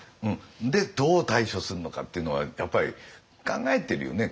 でどう対処するのかっていうのはやっぱり考えてるよね。